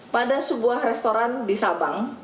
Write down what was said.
pada sebuah restoran di sabang